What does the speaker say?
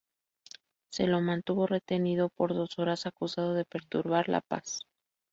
Se lo mantuvo retenido por dos horas acusado de perturbar la paz.